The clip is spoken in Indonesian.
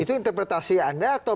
itu interpretasi anda